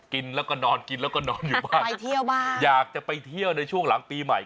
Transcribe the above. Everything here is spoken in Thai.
กินแล้วก็นอนกินแล้วก็นอนอยู่บ้างไปเที่ยวบ้างอยากจะไปเที่ยวในช่วงหลังปีใหม่